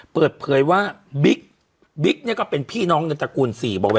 เปิดเผยว่าบิ๊กเนี่ยก็เป็นพี่น้องในตระกูล๔